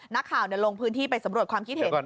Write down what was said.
นักข่าวในโลงพื้นที่ไปสำรวจความคิดเห็น